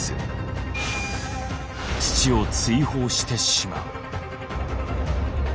父を追放してしまう。